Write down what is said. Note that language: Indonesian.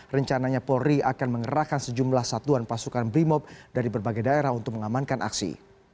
rencananya polri akan mengerahkan sejumlah satuan pasukan brimob dari berbagai daerah untuk mengamankan aksi